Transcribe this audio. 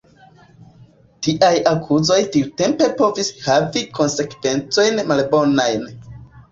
Tiaj akuzoj tiutempe povis havi konsekvencojn malbonajn.